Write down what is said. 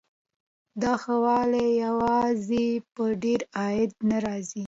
دا ښه والی یوازې په ډېر عاید نه راځي.